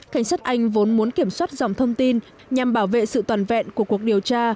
cảnh sát anh vốn muốn kiểm soát dòng thông tin nhằm bảo vệ sự toàn vẹn của cuộc điều tra